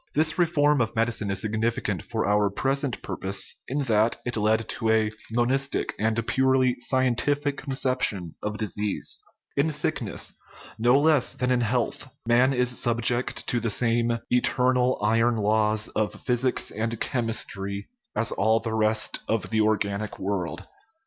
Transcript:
This reform of medicine is significant for our present purpose in that it led us to a monistic and purely scien tific conception of disease. In sickness, no less than in health, man is subject to the same eternal "iron laws" of physics and chemistry as all the rest of the organic world.